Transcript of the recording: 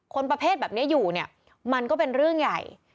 คนประเภทแบบนี้อยู่เนี่ยมันก็เป็นเรื่องใหญ่